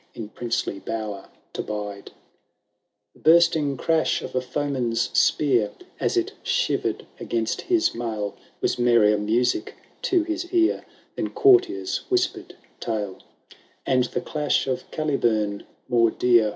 In princely bower to bide ; The bunting crash of a foeman^s spear, As it shiver'd against his mail. Was merrier music to his ear Than courtier^s whispered tale : And the clash of Calibum more dear.